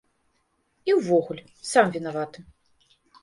І ўвогуле, сам вінаваты.